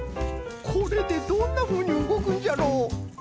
これでどんなふうにうごくんじゃろう？